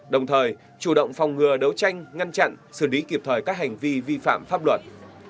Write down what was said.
đồng thời chủ động phòng ngừa đấu tranh ngăn chặn xử lý kịp thời các hành vi vi phạm pháp luật